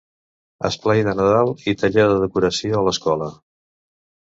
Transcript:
Esplai de Nadal i taller de decoració a l'escola.